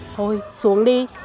thôi xuống đi